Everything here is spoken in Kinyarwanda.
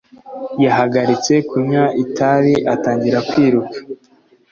Yahagaritse kunywa itabi atangira kwiruka.